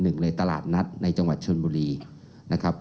หนึ่งในตลาดนัดในจังหวัดชนบุรีนะครับ